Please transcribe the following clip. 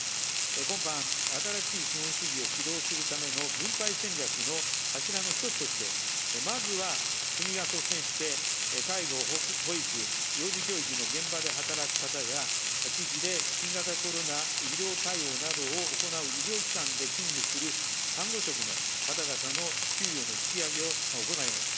今般、新しい資本主義を起動するための分配戦略の柱の一つとして、まずは国が率先して介護、保育、幼児教育の現場で働く方や、地域で新型コロナ医療対応などを行う医療機関で勤務する看護職の方々の給与の引き上げを行います。